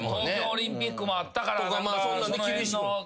東京オリンピックもあったからその辺のね。